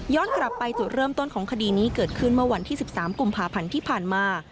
กลับไปจุดเริ่มต้นของคดีนี้เกิดขึ้นเมื่อวันที่๑๓กุมภาพันธ์ที่ผ่านมา